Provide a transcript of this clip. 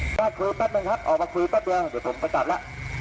ออกมาคือแป๊บหนึ่งครับออกมาคือแป๊บหนึ่งเดี๋ยวผมมาจับละ